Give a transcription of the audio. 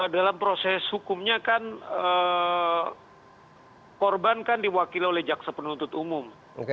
dalam proses hukumnya kan korban kan diwakili oleh jaksa penuntut umum